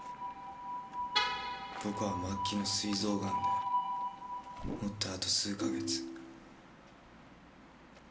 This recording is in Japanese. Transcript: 僕は末期のすい臓癌で持ってあと数か月。